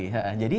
iya sama sekali